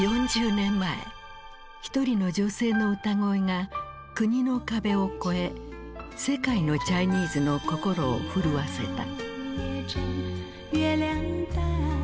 ４０年前ひとりの女性の歌声が国の壁をこえ世界のチャイニーズの心を震わせた。